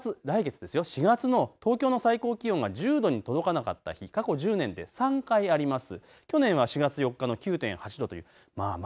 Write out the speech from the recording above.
というのも４月、来月、４月の東京の最高気温は１０度に届かなかった日、過去１０年で３回あります。